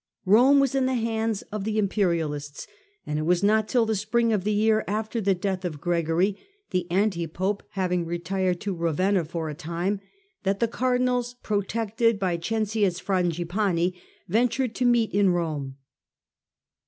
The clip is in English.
Rome was in the hands of the imperialists, and it was not till the spring of the year after the death of Deaiderius Gregory, the anti pope having retired to Ra May2Mm vcniia for a time, that the cardinals, protected by Cencius Frangipane, ventured to meet in Rome.